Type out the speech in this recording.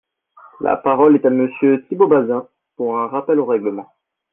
La parole est à Monsieur Thibault Bazin, pour un rappel au règlement.